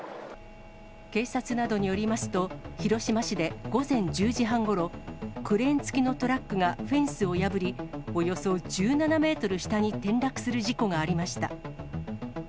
警察などによりますと、広島市で午前１０時半ごろ、クレーン付きのトラックがフェンスを破り、およそ１７メートル下に転落する事故がありました。